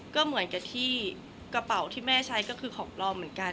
ก็เหมือนกับที่กระเป๋าที่แม่ใช้ก็คือของปลอมเหมือนกัน